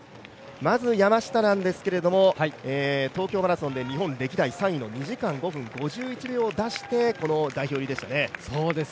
まず山下なんですけど東京マラソンで日本歴代３位の２時間５分５１秒を出して、この代表入りでしたね。